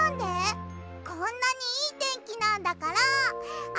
こんなにいいてんきなんだからあそぼうよ！